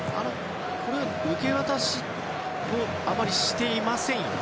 受け渡しをあまりしていませんよね。